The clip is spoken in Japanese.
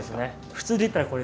普通でいったらこれ。